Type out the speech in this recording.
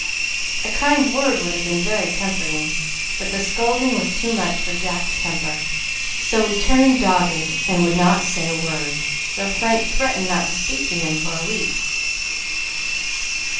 A kind word would have been very comforting, but the scolding was too much for Jack's temper, so he turned dogged and would not say a word, though Frank threatened not to speak to him for a week.